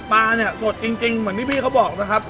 ปลานี้สดจริงหมอนพี่เค้าบอกนะครับ